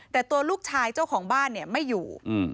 แต่ตัวลูกชายเจ้าของบ้านเนี่ยไม่อยู่